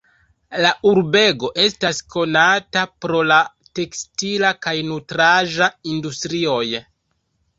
La urbego estas konata pro la tekstila kaj nutraĵa industrioj.